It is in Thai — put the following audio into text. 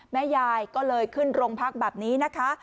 แม่ยายก็เลยขึ้นโรงพักแบบนี้นะคะ